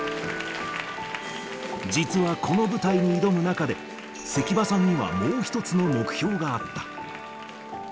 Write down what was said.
実はこの舞台に挑む中で、関場さんにはもう一つの目標があった。